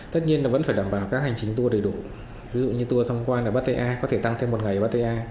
tất nhiên là vẫn phải đảm bảo các hành trình tour đầy đủ ví dụ như tour thăm quan ở batea có thể tăng thêm một ngày ở batea